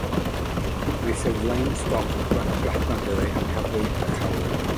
Mae'n sylfaen stoc draddodiadol ar gyfer cawl.